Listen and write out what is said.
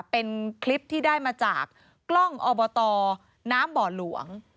เป็นคลิปที่ได้มาจากกล้องอบตน้ำบ่อหลวง